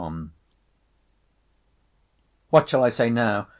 What shall I say now!